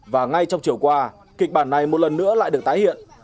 và ngay trong chiều qua kịch bản này một lần nữa lại được tái hiện